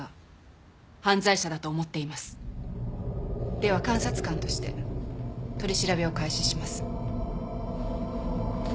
では監察官として取り調べを開始します。